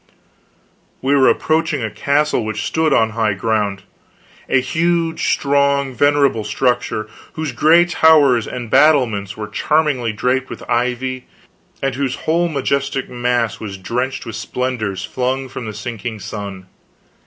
We were approaching a castle which stood on high ground; a huge, strong, venerable structure, whose gray towers and battlements were charmingly draped with ivy, and whose whole majestic mass was drenched with splendors flung from the sinking sun.